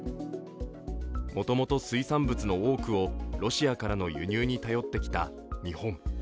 もともと、水産物の多くをロシアからの輸入に頼ってきた日本。